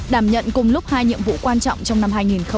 đảm nhận cùng lúc hai nhiệm vụ quan trọng trong năm hai nghìn hai mươi